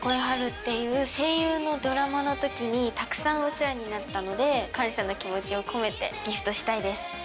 ていう声優のドラマの時にたくさんお世話になったので感謝の気持ちを込めてギフトしたいです。